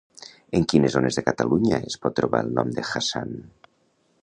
En quines zones de Catalunya es pot trobar el nom de Hassan?